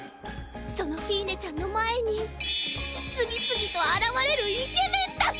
そのフィーネちゃんの前に次々と現れるイケメンたち！